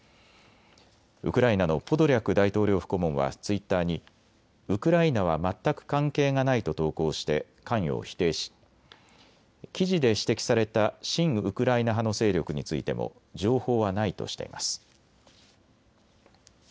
ウクライナのポドリャク大統領府顧問はツイッターにウクライナは全く関係がないと投稿して関与を否定し記事で指摘された親ウクライナ派の勢力についても情報はないとしています。